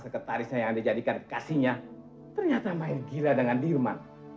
tetarisnya yang dijadikan kasihnya ternyata main gila dengan dirman